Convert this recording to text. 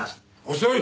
遅い！